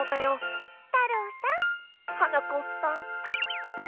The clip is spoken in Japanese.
はなこさん。